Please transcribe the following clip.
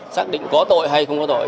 xác định có tội hay không có tội